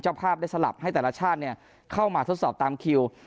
ภาพได้สลับให้แต่ละชาติเข้ามาทดสอบตามคิว